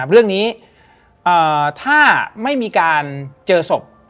เรื่องนี้ถ้าไม่มีการเจอศพ